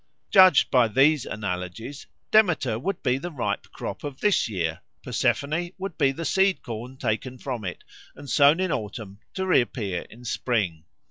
Judged by these analogies Demeter would be the ripe crop of this year; Persephone would be the seed corn taken from it and sown in autumn, to reappear in spring.